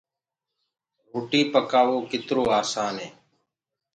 روٽيٚ پڪآوو ڪترو آسآني